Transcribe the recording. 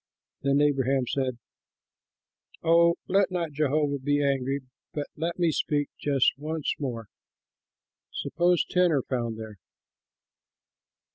Then Abraham said, "Oh, let not Jehovah be angry, but let me speak just once more. Suppose ten are found there?"